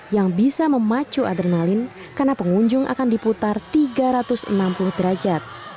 yang bisa memacu adrenalin karena pengunjung akan diputar tiga ratus enam puluh derajat